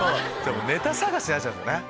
ネタ探しになっちゃうんすね。